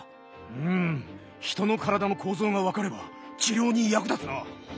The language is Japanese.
ん人の体の構造が分かれば治療に役立つな。